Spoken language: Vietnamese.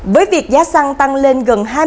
với việc giá xăng tăng lên